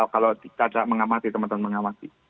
kalau tidak mengamati teman teman mengamati